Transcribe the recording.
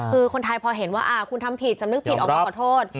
คือคนไทยพอเห็นว่าคุณทำผิดสำนึกผิดออกมาขอโทษ